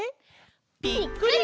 ぴっくり！